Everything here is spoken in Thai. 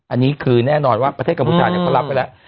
อันนี้คือแน่นอนว่าประเทศกัมพูชาเขารับไว้แล้ว